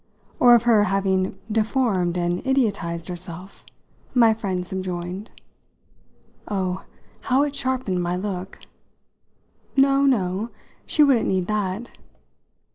"Or of her having _de_formed and idiotised herself," my friend subjoined. Oh, how it sharpened my look! "No, no she wouldn't need that."